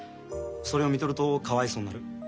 それを見とるとかわいそうになる。